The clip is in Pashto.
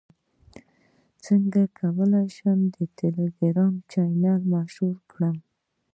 څنګه کولی شم د ټیلیګرام چینل مشهور کړم